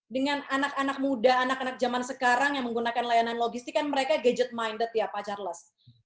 dengan anak anak muda anak anak zaman sekarang yang menggunakan layanan logistik kan mereka gadget minded ya pak charles